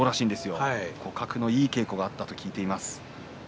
互角のいい稽古ができたと聞いています。